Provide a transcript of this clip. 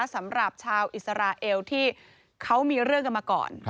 สำหรับชาวอิสราเอลที่เขามีเรื่องกันมาก่อน